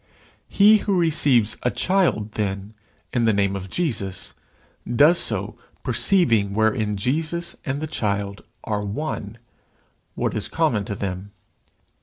He who receives a child, then, in the name of Jesus, does so, perceiving wherein Jesus and the child are one, what is common to them.